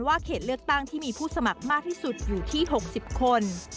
เขตเลือกตั้งที่มีผู้สมัครมากที่สุดอยู่ที่๖๐คน